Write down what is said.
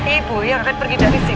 ibu yang akan pergi dari sini